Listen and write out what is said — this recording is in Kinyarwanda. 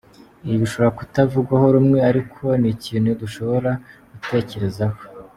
Ibi bishobora kutavugwaho rumwe ariko ni ikintu dushobora gutekerezaho.